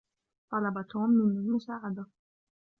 طلب توم مني المساعدة.